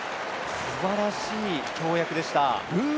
すばらしい跳躍でした。